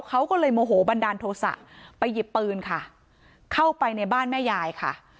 เขาก็เลยโมโหบันดาลโทษะไปหยิบปืนค่ะเข้าไปในบ้านแม่ยายค่ะ